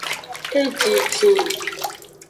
Ejijin.